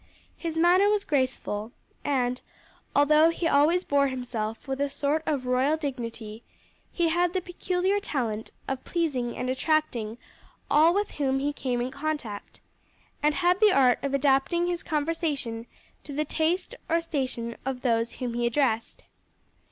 His manner was graceful, and although he always bore himself with a sort of royal dignity he had the peculiar talent of pleasing and attracting all with whom he came in contact, and had the art of adapting his conversation to the taste or station of those whom he addressed.